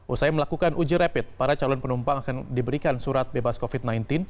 usai melakukan uji rapid para calon penumpang akan diberikan surat bebas covid sembilan belas